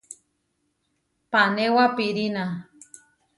Panéwa piʼrína.